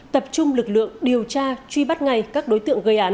tập trung lực lượng điều tra truy bắt ngay các đối tượng gây án